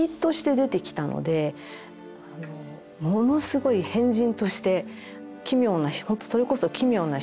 ものすごい変人として奇妙なほんとそれこそ「奇妙な人」。